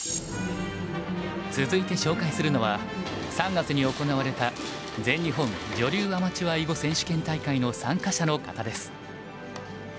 続いて紹介するのは３月に行われた全日本女流アマチュア囲碁選手権大会の参加者の方です。